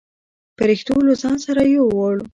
پرښتو له ځان سره يووړ.